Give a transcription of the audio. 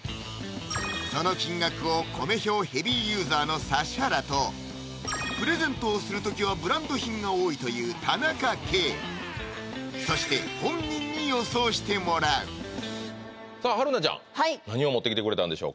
その金額をコメ兵ヘビーユーザーの指原とプレゼントをする時はブランド品が多いという田中圭そして本人に予想してもらうさあ春菜ちゃん何を持ってきてくれたんでしょうか？